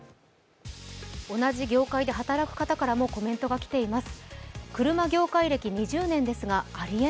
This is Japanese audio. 同じ業界で働く方からもコメントが来ています。